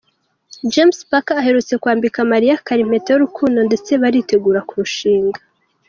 James Packer aherutse kwambika Mariah Carey impeta y’urukundo ndetse baritegura kurushinga.